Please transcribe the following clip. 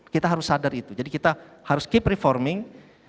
kita harus sadar itu jadi kita harus keep reforming